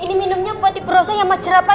ini minumnya buat tante rosa ya mas jerapa ya